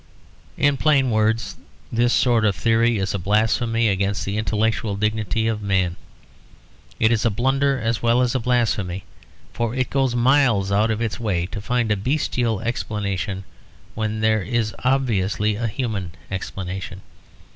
In plain words, this sort of theory is a blasphemy against the intellectual dignity of man. It is a blunder as well as a blasphemy; for it goes miles out of its way to find a bestial explanation when there is obviously a human explanation.